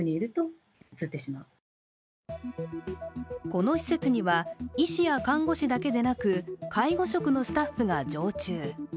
この施設には医師や看護師だけでなく、介護職のスタッフが常駐。